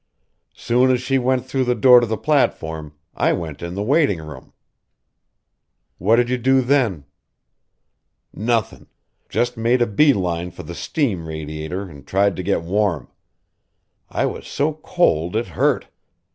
Soon as she went through the door to the platform I went in the waitin' room." "What did you do then?" "Nothin'. Just made a bee line for the steam radiator an' tried to get warm. I was so cold it hurt.